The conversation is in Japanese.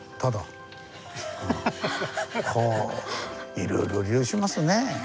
いろいろ利用しますねぇ。